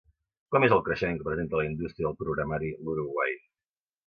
Com és el creixement que presenta la indústria del programari l'Uruguai?